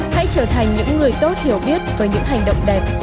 hãy trở thành những người tốt hiểu biết với những hành động đẹp